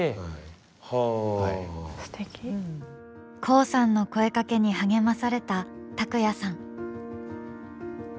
黄さんの声かけに励まされたたくやさん。